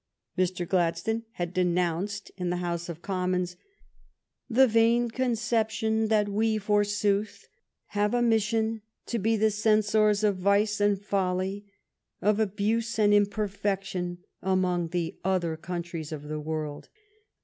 Mr. Gladstone had denounced in the House of Commons '' the vain conception that we, forsooth, have a mission to be the censors of vice and folly, of abuse and imperfection, among the other countries of the world.''